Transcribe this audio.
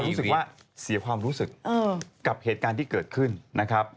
รู้สึกว่าเสียความรู้สึกกับเหตุการณ์ที่เกิดขึ้นนะครับ